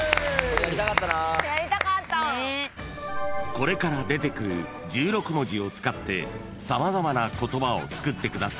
［これから出てくる１６文字を使って様々な言葉を作ってください］